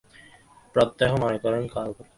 প্রত্যহ মনে করেন, কাল বলিব।